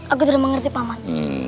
aku tidak mengerti pak man